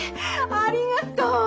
ありがとう！